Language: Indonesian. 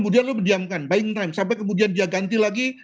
dia dihidupkan baiknya sampai dia ganti lagi